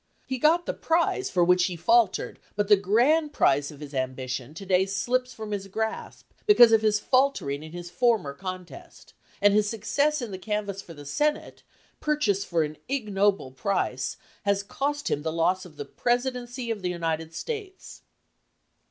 He got the prize for which he faltered; but the grand prize of his ambition to day slips from his grasp because of his faltering in his former contest, and his success in the canvass for the Senate, purchased for an ignoble price, has cost him the loss of the Presi dency of the United States!"